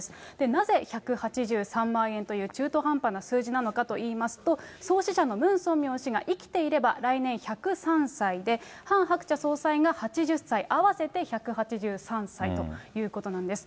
なぜ１８３万円という中途半端な数字なのかといいますと、創始者のムン・ソンミョン氏が生きていれば来年１０３歳で、ハン・ハクチャ総裁が８０歳、合わせて１８３歳ということなんです。